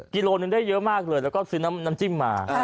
กิโลหนึ่งได้เยอะมากเลยแล้วก็ซื้อน้ำจิ้มมา